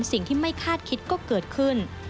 สิ่งที่ไม่คาดคิดก็เกิดขึ้น